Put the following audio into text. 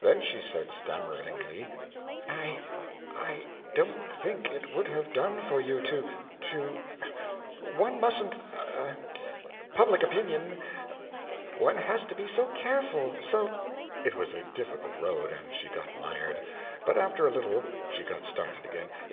Then she said stammeringly: "I I don't think it would have done for you to to One mustn't er public opinion one has to be so careful so " It was a difficult road, and she got mired; but after a little she got started again.